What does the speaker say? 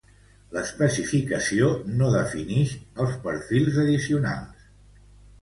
L'especificació no definix els perfils addicionals.